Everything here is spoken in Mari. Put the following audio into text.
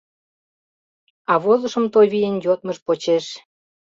А возышым Тойвийын йодмыж почеш.